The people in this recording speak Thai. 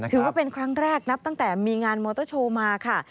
ถือว่าเป็นครั้งแรกนับตั้งแต่มีงานมอเตอร์โชว์มาค่ะ